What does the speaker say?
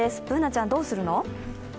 Ｂｏｏｎａちゃん、どうするの？